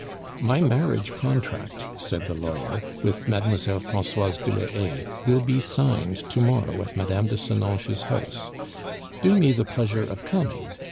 "My marriage contract," said the lawyer, "with Mlle. Francoise de la Haye will be signed to morrow at Mme. de Senonches' house; do me the pleasure of coming.